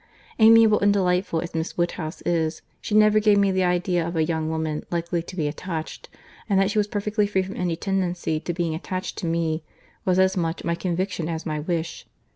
—Amiable and delightful as Miss Woodhouse is, she never gave me the idea of a young woman likely to be attached; and that she was perfectly free from any tendency to being attached to me, was as much my conviction as my wish.